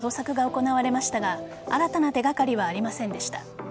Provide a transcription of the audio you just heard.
上流に範囲を広げて捜索が行われましたが新たな手がかりはありませんでした。